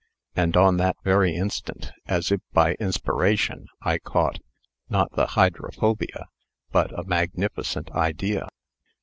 And on that very instant, as if by inspiration, I caught not the hydrophobia, but a magnificent idea.